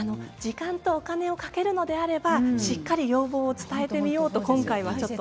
時間とお金をかけるのであればしっかりと要望を伝えてみようと。